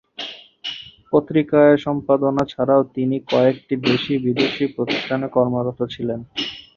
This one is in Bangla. পত্রিকায় সম্পাদনা ছাড়াও তিনি কয়েকটি দেশি-বিদেশি প্রতিষ্ঠানে কর্মরত ছিলেন।